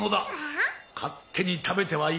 勝手に食べてはいかん。